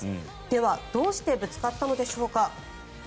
では、どうしてぶつかったのでしょうか。